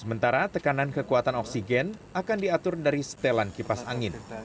sementara tekanan kekuatan oksigen akan diatur dari setelan kipas angin